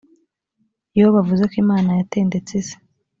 yobu avuze ko imana yatendetse isi